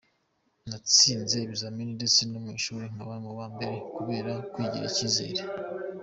Natsinze ibizamini ndetse no mu ishuri nkaba mu ba mbere kubera kwigirira icyizere”.